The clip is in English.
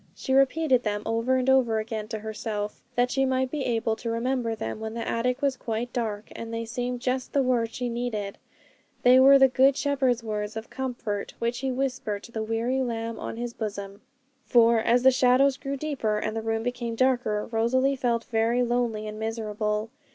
She repeated them over and over again to herself, that she might be able to remember them when the attic was quite dark. And they seemed just the words she needed; they were the Good Shepherd's words of comfort which He whispered to the weary lamb on His bosom. For, as the shadows grew deeper and the room became darker, Rosalie felt very lonely and miserable.